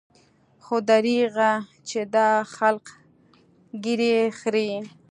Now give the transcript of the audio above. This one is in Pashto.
خو درېغه چې دا خلق ږيرې خريي.